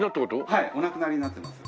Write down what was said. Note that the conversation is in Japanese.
はいお亡くなりになってます。